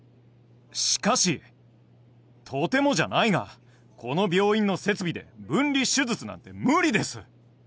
しかしとてもじゃないがこの病院の設備で分離手術なんて無理です